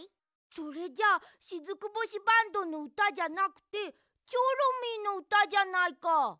それじゃあしずく星バンドのうたじゃなくてチョロミーのうたじゃないか。